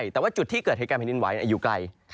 แต่ว่าจุดที่เกิดเหตุการณ์แผ่นดินไหวอยู่ไกล